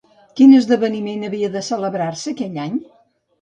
Quin esdeveniment havia de celebrar-se aquell any?